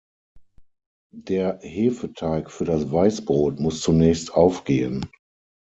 Der Hefeteig für das Weißbrot muss zunächst aufgehen.